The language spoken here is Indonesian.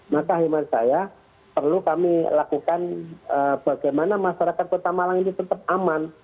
maka hemat saya perlu kami lakukan bagaimana masyarakat kota malang ini tetap aman